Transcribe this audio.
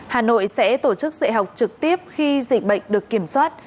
hà nội sẽ tổ chức dạy học trực tiếp khi dịch bệnh được kiểm soát